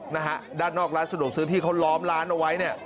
นะฮะด้านนอกร้านสะดวกซื้อที่เขาล้อมร้านเอาไว้เนี่ย